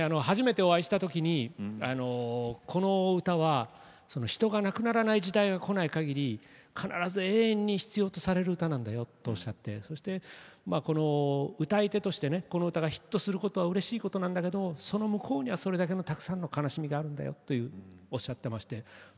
初めてお会いしたときにこの歌は人が亡くならない時代がこないかぎり必ず永遠に必要とされる歌なんだよとおっしゃって歌い手として、この歌がヒットすることはうれしいんだけれどその向こうにはそれだけの悲しみがあるんだよとおっしゃっていました。